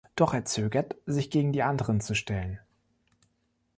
Doch er zögert, sich gegen die Anderen zu stellen.